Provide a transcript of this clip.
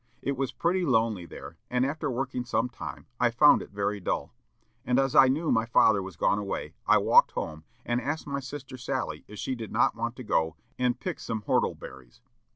It was pretty lonely there, and, after working some time, I found it very dull; and as I knew my father was gone away, I walked home, and asked my sister Sally if she did not want to go and pick some whortle berries.